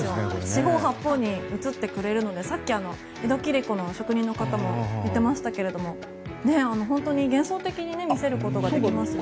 四方八方に映ってくれるのでさっき、江戸切子の職人の方も言っていましたが本当に幻想的に見せることができますよね。